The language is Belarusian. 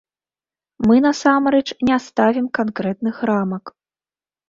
Мы насамрэч не ставім канкрэтных рамак.